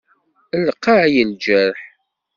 Lqay lǧerḥ.